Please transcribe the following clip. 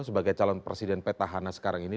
sebagai calon presiden petahana sekarang ini